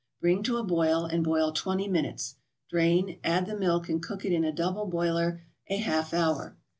Bring to a boil and boil twenty minutes; drain, add the milk and cook it in a double boiler a half hour.